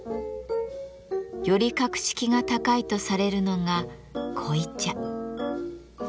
より格式が高いとされるのが濃茶。